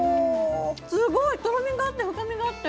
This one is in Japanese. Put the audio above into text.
すごいとろみがあって深みがあって。